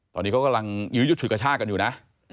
ตอนนี้เขากำลังยื้อยุดฉุดกระชากันอยู่นะ